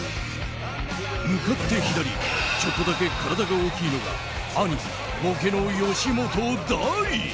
向かって左ちょっとだけ体が大きいのが兄、ボケの吉本大。